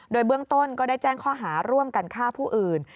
โดยเบื้องต้นก็ได้แจ้งข้อหาร่วมกันฆ่าผู้อื่น